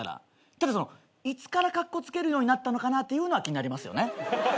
ただいつからかっこつけるようになったのかなっていうのは気になりますよね。